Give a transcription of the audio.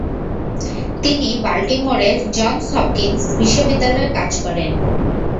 তিনি বাল্টিমোরের Johns Hopkins বিশ্ববিদ্যালয়ে কাজ করেন।